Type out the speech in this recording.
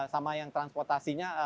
sama yang transportasinya